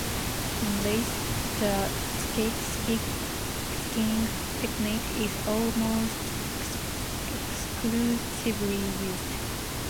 In races, the skate-skiing technique is almost exclusively used.